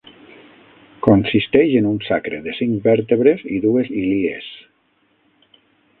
Consisteix en un sacre, de cinc vèrtebres, i dues ilies.